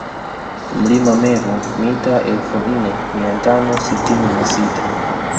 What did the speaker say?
Mlima Meru mita elfu nne mia tano sitini na sita